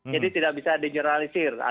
jadi tidak bisa di generalisir